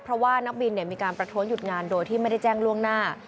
เพราะว่านักบินมีการประท้วงหยุดงานโดยที่ไม่ได้แจ้งล่วงหน้า